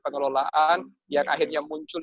pengelolaan yang akhirnya muncul